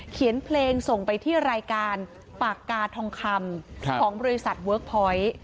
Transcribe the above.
เขียนเพลงส่งไปที่รายการปากกาทองคำของบริษัทเวิร์คพอยต์